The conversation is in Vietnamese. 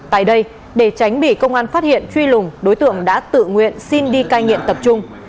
tại đây để tránh bị công an phát hiện truy lùng đối tượng đã tự nguyện xin đi cai nghiện tập trung